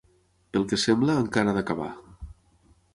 Pel que sembla, encara ha d'acabar.